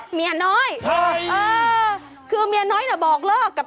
ต้องเคลียร์ให้เมียน้อยเขาดีกัน